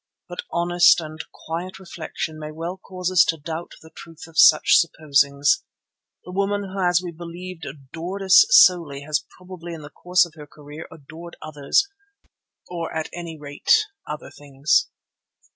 But honest and quiet reflection may well cause us to doubt the truth of such supposings. The woman who as we believed adored us solely has probably in the course of her career adored others, or at any rate other things.